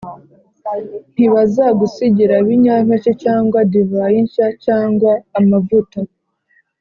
Ntibazagusigira ibinyampeke, cyangwa divayi nshya cyangwa amavuta,